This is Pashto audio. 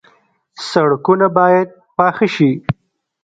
سړکونه باید پاخه شي